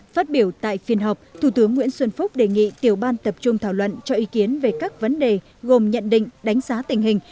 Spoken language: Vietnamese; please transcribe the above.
phát biểu tại phiên họp thủ tướng nguyễn xuân phúc đề nghị tiểu ban tập trung thảo luận cho ý kiến về các vấn đề gồm nhận định đánh giá tình hình